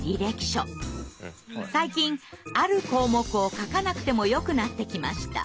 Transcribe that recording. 最近ある項目を書かなくてもよくなってきました。